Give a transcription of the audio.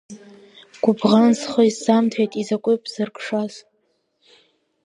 Гәыбӷан схы исзамҭеит, изакәи бзыркшаз.